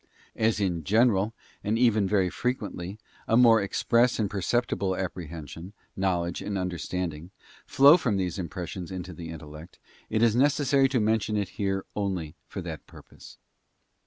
As in general, and even very frequently, a more express and perceptible apprehension, knowledge, and understanding, flow from these impressions into the intellect, it is necessary to mention it here only for that purpose.